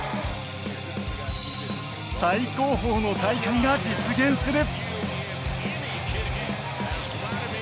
最高峰の大会が実現する！